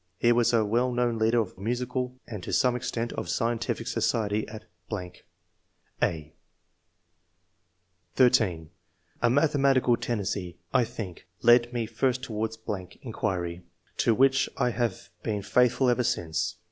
He was a well known leader of musical, and to some extent, of scientific society, at ...." (a) (13) "A mathematical tendency, I think, led me first towards .... inquiry, to which I have been faithful ever since.